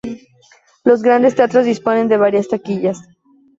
Los grandes teatros disponen de varias taquillas.